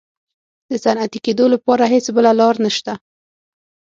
د صنعتي کېدو لپاره هېڅ بله لار نشته.